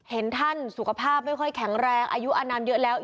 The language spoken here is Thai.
เห็นท่านสุขภาพไม่ค่อยแข็งแรงอายุอนามเยอะแล้ว